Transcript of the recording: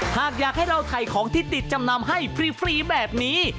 หากอยากให้เราถ่ายของที่ติดจำนำให้ฟรีแบบนี้